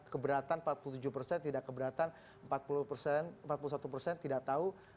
keberatan empat puluh tujuh persen tidak keberatan empat puluh satu persen tidak tahu